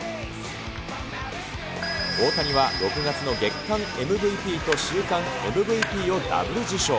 大谷は６月の月間ＭＶＰと週間ＭＶＰをダブル受賞。